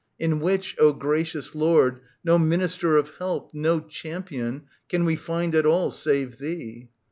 In which, O gracious Lord, no minister Of help, no champion, can we find at all Save thee.